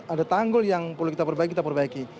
ada tanggul yang perlu kita perbaiki kita perbaiki